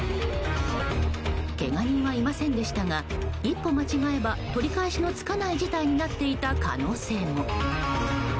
けが人はいませんでしたが一歩間違えば取り返しのつかない事態になっていた可能性も。